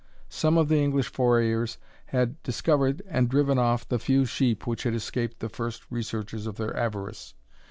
Some of the English forayers had discovered and driven off the few sheep which had escaped the first researches of their avarice.